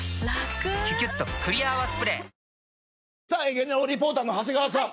芸能リポーターの長谷川さん。